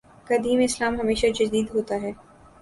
قدیم اسلام ہمیشہ جدید ہوتا ہے۔